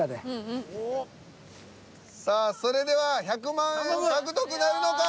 さあそれでは１００万円獲得なるのか！